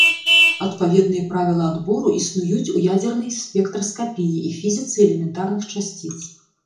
Адпаведныя правілы адбору існуюць у ядзернай спектраскапіі і фізіцы элементарных часціц.